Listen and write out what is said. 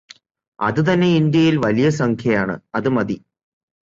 അത് തന്നെ ഇന്ത്യയിൽ വലിയ സംഖ്യയാണ് അത് മതി